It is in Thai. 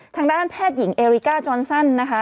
ทางด้านแพทย์หญิงเอริกาจอนซันนะคะ